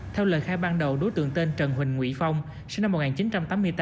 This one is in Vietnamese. theo lời khai ban đầu đối tượng tên trần huỳnh phong sinh năm một nghìn chín trăm tám mươi tám